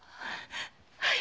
はい。